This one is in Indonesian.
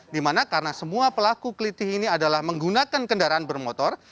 dimana karena semua pelaku kelitih ini adalah menggunakan kendaraan bermotor